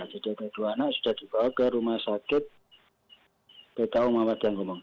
jadi dua anak sudah dibawa ke rumah sakit pku muhammadiyah gombong